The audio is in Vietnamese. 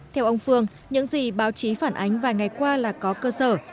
theo ông phương những gì báo chí phản ánh vài ngày qua là có cơ sở